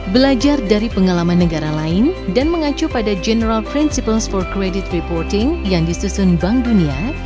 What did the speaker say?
belajar dari pengalaman negara lain dan mengacu pada general principles for credit reporting yang disusun bank dunia